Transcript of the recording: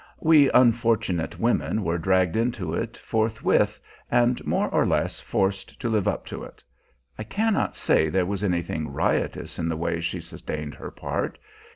We unfortunate women were dragged into it forthwith, and more or less forced to live up to it. I cannot say there was anything riotous in the way she sustained her part.